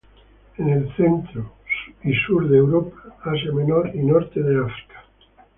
En el centro y sur de Europa, Asia menor y norte de África.